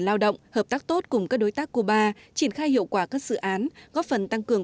lao động hợp tác tốt cùng các đối tác cuba triển khai hiệu quả các dự án góp phần tăng cường